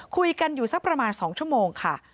คุยกันอยู่สักประมาณ๒ชั่วโมงค่ะ